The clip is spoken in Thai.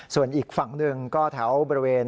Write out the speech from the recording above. ส่วนอีกฝั่งหนึ่งก็แถวบริเวณ